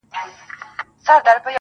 مثبت فکر خوشحالي پیدا کوي.